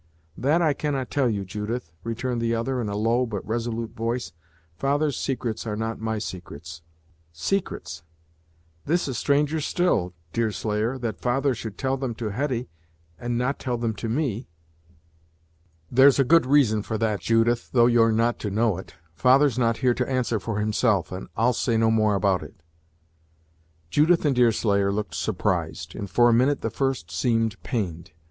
"That I cannot tell you, Judith," returned the other in a low but resolute voice. "Father's secrets are not my secrets." "Secrets! This is stranger still, Deerslayer, that father should tell them to Hetty, and not tell them to me!" "There's a good reason for that, Judith, though you're not to know it. Father's not here to answer for himself, and I'll say no more about it." Judith and Deerslayer looked surprised, and for a minute the first seemed pained.